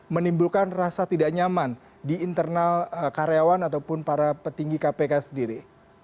menimbulkan rasa tidak nyaman di internal karyawan ataupun para petinggi kpk sendiri